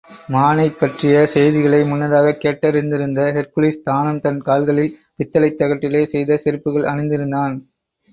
மானைப்பற்றிய செய்திகளை முன்னதாகக் கேட்டறிந்திருந்த ஹெர்க்குலிஸ் தானும் தன் கால்களில் பித்தளைத் தகட்டிலே செய்த செருப்புகள் அணிந்திருந்தான்.